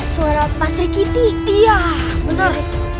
suara pastrikiti iya bener